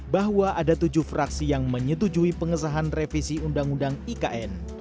bahwa ada tujuh fraksi yang menyetujui pengesahan revisi undang undang ikn